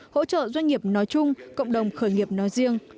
hỗ trợ doanh nghiệp nói chung cộng đồng khởi nghiệp nói riêng